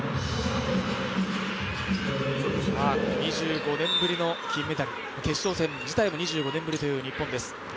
２５年ぶりの金メダル、決勝戦自体も２５年ぶりの日本です。